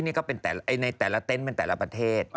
ในแต่ละเต้นเป็นแต่ละประเทศ